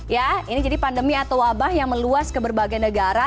ya ini jadi pandemi atau wabah yang meluas ke berbagai negara